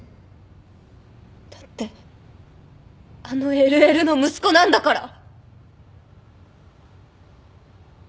だってあのＬＬの息子なんだから。